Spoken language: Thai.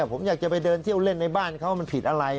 ผมอยากจะไปเดินเที่ยวเล่นในบ้านเขามันผิดอะไร